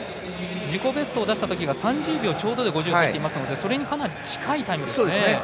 自己ベストを出したときは３０秒ちょうどで５０入ってますのでそれにかなり近いタイムですね。